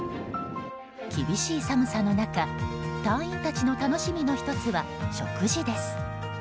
厳しい寒さの中隊員たちの楽しみの１つが食事です。